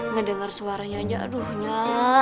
ngedenger suaranya aja